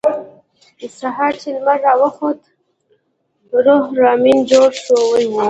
سهار چې لمر راوخوت روح لامین جوړ شوی و